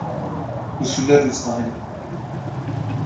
اصول روزنامه نگاری